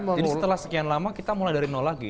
jadi setelah sekian lama kita mulai dari nol lagi